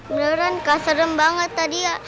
beneran kak serem banget tadi ya